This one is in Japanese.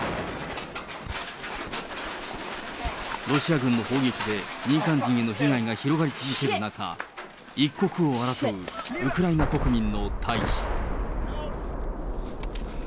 ロシア軍の砲撃で民間人への被害が広がり続ける中、一刻を争うウクライナ国民の退避。